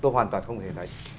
tôi hoàn toàn không thể thấy